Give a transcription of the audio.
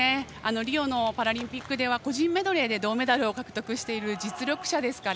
リオのパラリンピックでは個人メドレーで銅メダルを獲得している実力者ですから。